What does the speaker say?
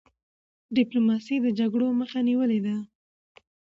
ډيپلوماسی د جګړو مخه نیولي ده.